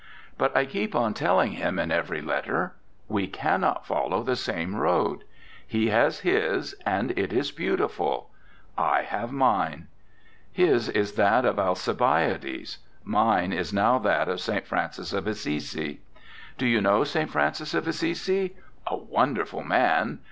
But I keep on telling him that in every letter: we cannot follow the same road. He has his, and it is beautiful I have mine. His is that of Alcibiades; mine is now that of St. Francis of Assisi. Do you know St. Francis of Assisi? A wonderful man!